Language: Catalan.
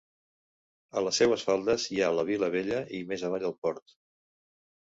A les seues faldes hi ha la vila vella i més avall, el port.